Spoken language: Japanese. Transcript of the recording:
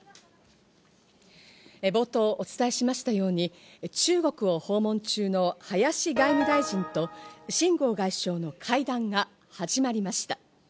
冒頭お伝えしましたように中国を訪問中の林外務大臣とシン・ゴウ外相の会談が始まりました。